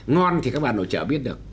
ngon thì các bạn ở chợ biết được